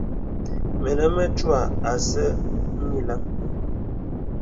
Mìnī mətuə̀ àsā nyìləŋ.